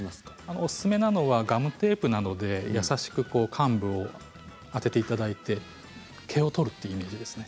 おすすめなのはガムテープなどで優しく患部に当てていただいて毛を取るということですね。